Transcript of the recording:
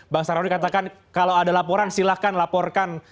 bang sarawi katakan kalau ada laporan silahkan laporkan